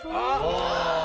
ああ。